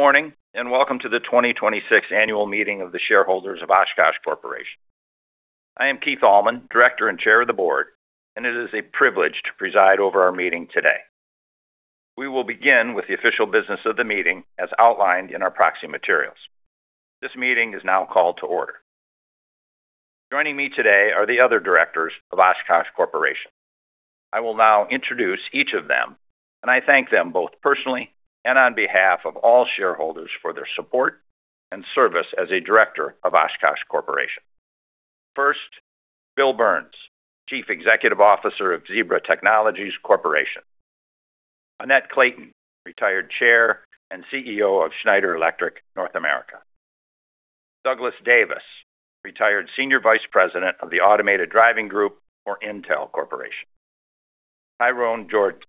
Good morning, and welcome to the 2026 annual meeting of the shareholders of Oshkosh Corporation. I am Keith Allman, director and chair of the board, and it is a privilege to preside over our meeting today. We will begin with the official business of the meeting as outlined in our proxy materials. This meeting is now called to order. Joining me today are the other directors of Oshkosh Corporation. I will now introduce each of them, and I thank them both personally and on behalf of all shareholders for their support and service as a director of Oshkosh Corporation. First, Bill Burns, Chief Executive Officer of Zebra Technologies Corporation. Annette Clayton, retired Chair and CEO of Schneider Electric North America. Douglas Davis, retired Senior Vice President of the Automated Driving Group for Intel Corporation. Tyrone Jordan,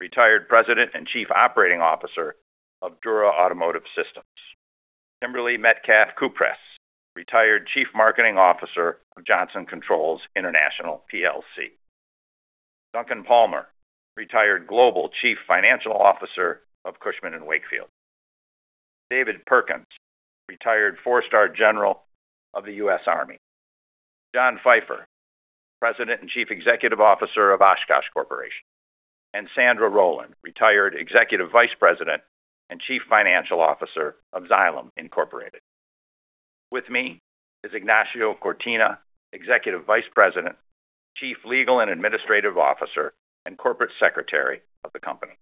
retired President and Chief Operating Officer of DURA Automotive Systems. Kimberley Metcalf-Kupres, retired Chief Marketing Officer of Johnson Controls International plc. Duncan Palmer, retired Global Chief Financial Officer of Cushman & Wakefield. David Perkins, retired Four-Star General of the US Army. John Pfeifer, President and Chief Executive Officer of Oshkosh Corporation. Sandra Rowland, retired Executive Vice President and Chief Financial Officer of Xylem Incorporated. With me is Ignacio Cortina, Executive Vice President, Chief Legal and Administrative Officer, and Corporate Secretary of the company.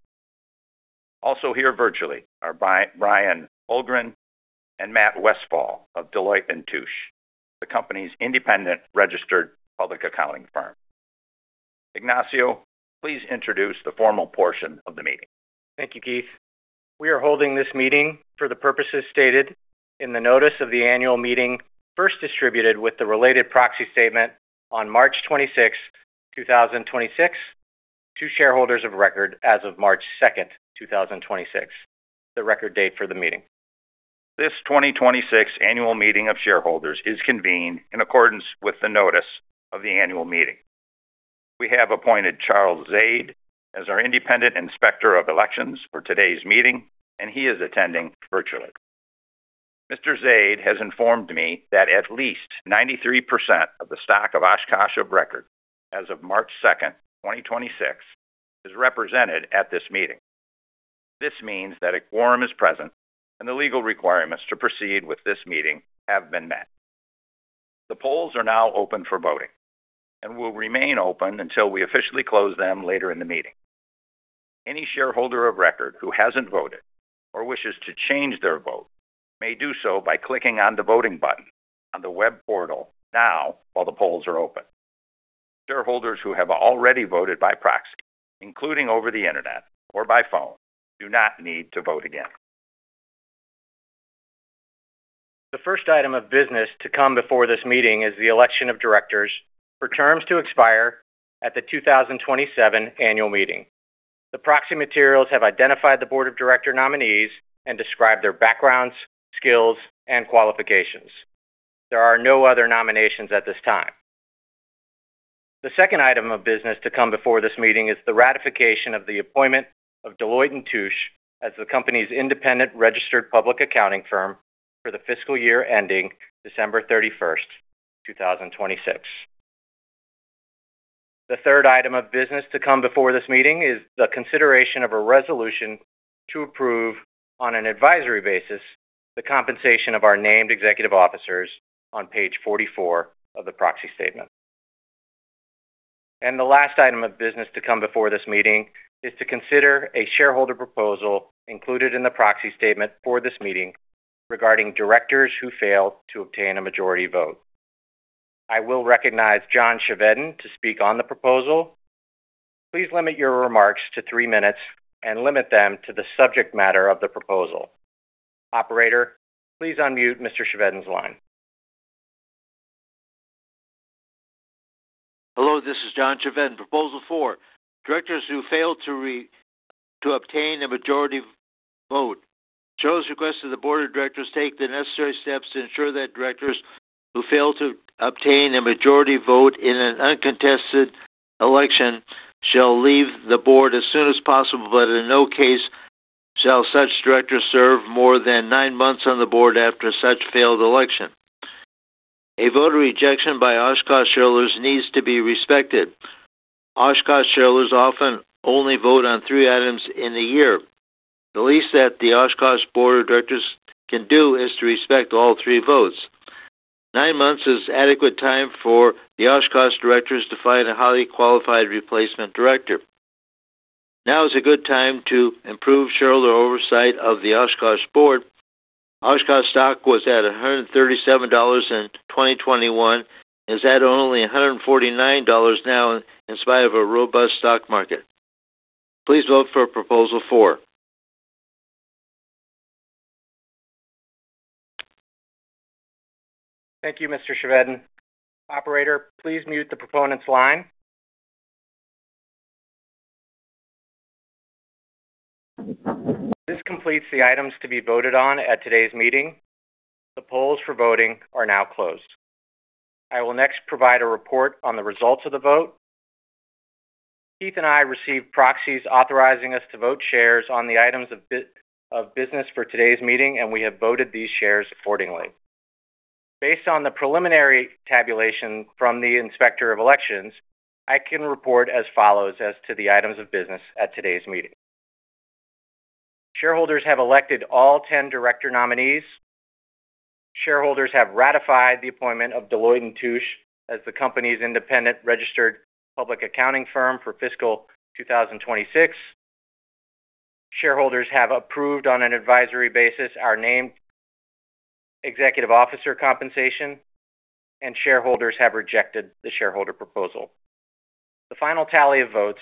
Also here virtually are Brian Holmgren and Matt Westfall of Deloitte & Touche, the company's independent registered public accounting firm. Ignacio, please introduce the formal portion of the meeting. Thank you, Keith. We are holding this meeting for the purposes stated in the notice of the annual meeting first distributed with the related proxy statement on March 26th, 2026 to shareholders of record as of March 2, 2026, the record date for the meeting. This 2026 annual meeting of shareholders is convened in accordance with the notice of the annual meeting. We have appointed Charles Zaid as our Independent Inspector of Elections for today's meeting, and he is attending virtually. Mr. Zaid has informed me that at least 93% of the stock of Oshkosh of record as of March 2, 2026 is represented at this meeting. This means that a quorum is present and the legal requirements to proceed with this meeting have been met. The polls are now open for voting and will remain open until we officially close them later in the meeting. Any shareholder of record who hasn't voted or wishes to change their vote may do so by clicking on the voting button on the web portal now while the polls are open. Shareholders who have already voted by proxy, including over the internet or by phone, do not need to vote again. The first item of business to come before this meeting is the election of directors for terms to expire at the 2027 annual meeting. The proxy materials have identified the board of director nominees and described their backgrounds, skills, and qualifications. There are no other nominations at this time. The second item of business to come before this meeting is the ratification of the appointment of Deloitte & Touche as the company's independent registered public accounting firm for the fiscal year ending December 31st, 2026. The third item of business to come before this meeting is the consideration of a resolution to approve, on an advisory basis, the compensation of our named executive officers on page 44 of the proxy statement. The last item of business to come before this meeting is to consider a shareholder proposal included in the proxy statement for this meeting regarding directors who failed to obtain a majority vote. I will recognize John Chevedden to speak on the proposal. Please limit your remarks to three minutes and limit them to the subject matter of the proposal. Operator, please unmute Mr. Chevedden's line. Hello, this is John Chevedden. Proposal 4. Directors who fail to obtain a majority vote. Shareholders request that the board of directors take the necessary steps to ensure that directors who fail to obtain a majority vote in an uncontested election shall leave the board as soon as possible, but in no case shall such directors serve more than nine months on the board after such failed election. A vote of rejection by Oshkosh shareholders needs to be respected. Oshkosh shareholders often only vote on three items in a year. The least that the Oshkosh board of directors can do is to respect all three votes. Nine months is adequate time for the Oshkosh directors to find a highly qualified replacement director. Now is a good time to improve shareholder oversight of the Oshkosh board. Oshkosh stock was at $137 in 2021 and is at only $149 now in spite of a robust stock market. Please vote for proposal 4. Thank you, Mr. Chevedden. Operator, please mute the proponent's line. This completes the items to be voted on at today's meeting. The polls for voting are now closed. I will next provide a report on the results of the vote. Keith and I received proxies authorizing us to vote shares on the items of business for today's meeting, and we have voted these shares accordingly. Based on the preliminary tabulation from the Inspector of Elections, I can report as follows as to the items of business at today's meeting. Shareholders have elected all 10 director nominees. Shareholders have ratified the appointment of Deloitte & Touche as the company's independent registered public accounting firm for fiscal 2026. Shareholders have approved on an advisory basis our named executive officer compensation, and shareholders have rejected the shareholder proposal. The final tally of votes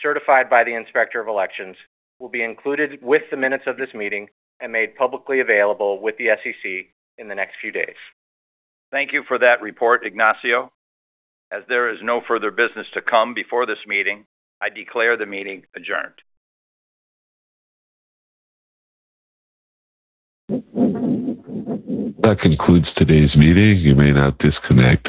certified by the Inspector of Elections will be included with the minutes of this meeting and made publicly available with the SEC in the next few days. Thank you for that report, Ignacio. As there is no further business to come before this meeting, I declare the meeting adjourned. That concludes today's meeting. You may now disconnect.